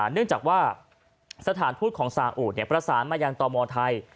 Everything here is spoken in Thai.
เนื่องจากว่าสถานทูตของสาอุประสานมายังตมไทย